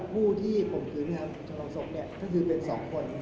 ผู้ที่ผมถือจังหลังศพเนี่ยก็คือเป็น๒คน